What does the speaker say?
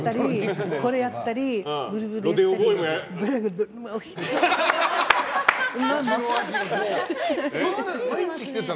これやったりブルブルやったり。